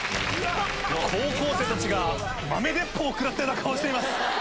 高校生たちが豆鉄砲を食らったような顔をしています。